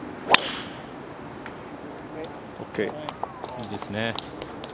いいですね。